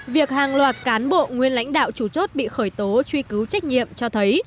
việc hàng loạt cán bộ nguyên lãnh đạo chủ chốt bị khởi tố truy cứu trách nhiệm cho thấy